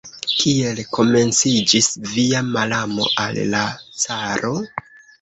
Kiel komenciĝis via malamo al la caro?